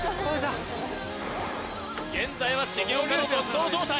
現在は重岡の独走状態